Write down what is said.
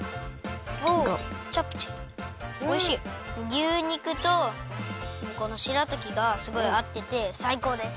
牛肉とこのしらたきがすごいあっててさいこうです。